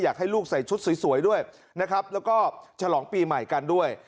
อยากให้ลูกใส่ชุดสวยด้วยนะครับแล้วก็ฉลองปีใหม่กันด้วย